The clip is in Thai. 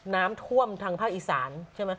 น้ำท่วมทางภาคอีสานใช่ไหม